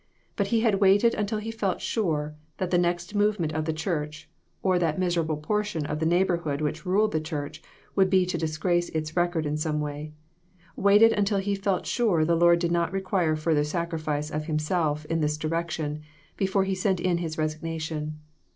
But he had waited until he felt sure that the next movement of the church, or that miserable portion of the neighborhood which ruled the church, would be to disgrace its record in some such way ; waited until he felt sure the Lord did not require further sacrifice of himself in this direction, before he sent in his resig nation.